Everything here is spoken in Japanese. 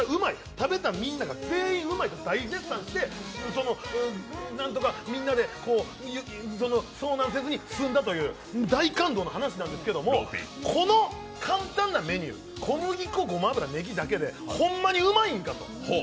食べたみんなが全員うまいと大絶賛して何とかみんなで遭難せずに済んだという大感動の話なんですけれども、この簡単なメニュー、小麦粉、ごま油、ねぎだけでホンマにうまいんかと。